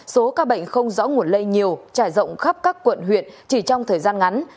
số ca bệnh không rõ nguồn lây nhiều trải rộng khắp các quận huyện chỉ trong thời gian ngắn